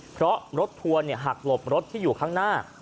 เพราะรถทัวร์หักหลบรถที่อยู่ข้างหน้า